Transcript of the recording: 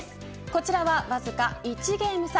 こちらはわずか１ゲーム差。